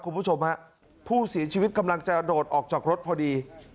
คุณผู้ชมฮะผู้เสียชีวิตกำลังจะกระโดดออกจากรถพอดี